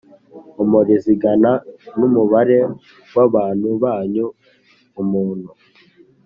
Omeru zingana n umubare w abantu banyu umuntu